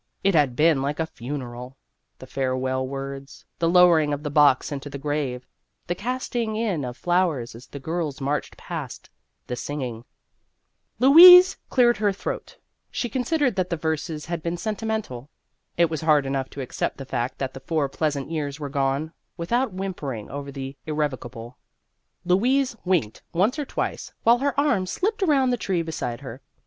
It had been like a funeral the farewell words, the lowering of the box into the grave, the casting in of flowers as the girls marched past, the singing. Louise cleared 212 Vassar Studies her throat ; she considered that the verses had been sentimental. It was hard enough to accept the fact that the four pleasant years were gone, without whimpering over the irrecoverable. Louise winked once or twice while her arm slipped around the tree beside her.